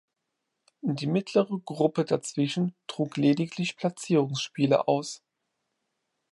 Die mittlere Gruppe dazwischen trug lediglich Platzierungsspiele aus.